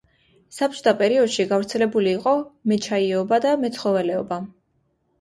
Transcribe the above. საბჭოთა პერიოდში გავრცელებული იყო მეჩაიეობა და მეცხოველეობა.